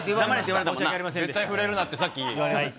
絶対触れるなって、さっき言われました。